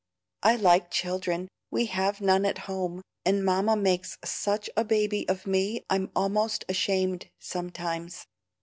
"I like children; we have none at home, and Mamma makes such a baby of me I'm almost ashamed sometimes.